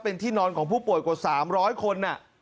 เป็นที่นอนของผู้ป่วยกว่า๓๐๐คน